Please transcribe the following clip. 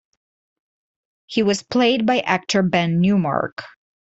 He was played by actor Ben Newmark.